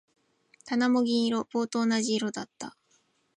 棚も銀色。棒と同じ色だった。